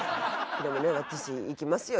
でもね私行きますよ